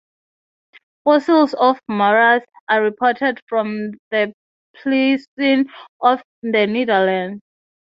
Fossils of "Morus" are reported from the Pliocene of the Netherlands.